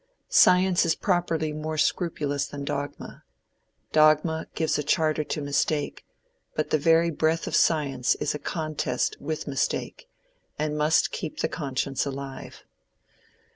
Science is properly more scrupulous than dogma. Dogma gives a charter to mistake, but the very breath of science is a contest with mistake, and must keep the conscience alive."